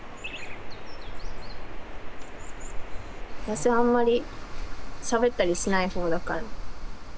私あんまりしゃべったりしない方だから。